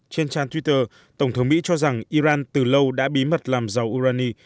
trên trang twitter tổng thống mỹ cho rằng iran từ lâu đã bí mật làm dầu urani